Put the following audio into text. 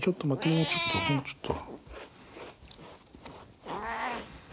もうちょっともうちょっと。